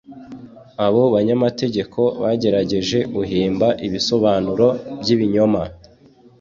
abo banyamategeko bagerageje guhimba ibisobanuro by'ibinyoma;